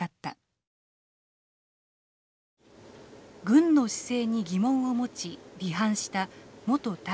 軍の姿勢に疑問を持ち離反した元大尉。